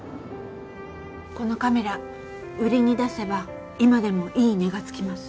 このカメラ売りに出せば今でもいい値がつきます。